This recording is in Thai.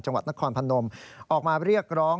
จังหวัดนครพนมออกมาเรียกร้อง